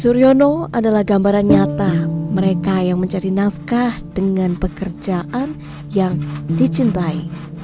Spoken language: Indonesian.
suryono adalah gambaran nyata mereka yang mencari nafkah dengan pekerjaan yang dicintai